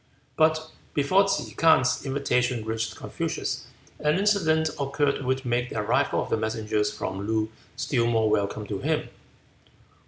But before Ke K'ang's invitation reached Confucius an incident occurred which made the arrival of the messengers from Loo still more welcome to him.